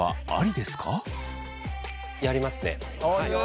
やりますね。